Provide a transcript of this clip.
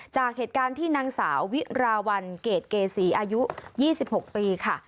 จากเหตุการณ์ที่นางสาววิราวัลเกรดเกษีอายุ๒๖ปีค่ะ